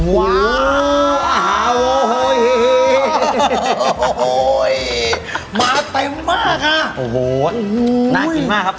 ว้าวโอ้โหมาเต็มมากฮะโอ้โหน่ากินมากครับ